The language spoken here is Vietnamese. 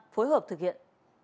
phối hợp thực hiện